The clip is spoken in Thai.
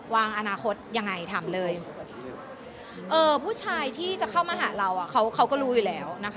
อนาคตยังไงถามเลยผู้ชายที่จะเข้ามาหาเราอ่ะเขาก็รู้อยู่แล้วนะคะ